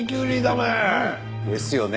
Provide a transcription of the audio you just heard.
ですよね。